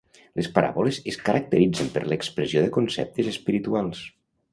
Les paràboles es caracteritzen per l'expressió de conceptes espirituals.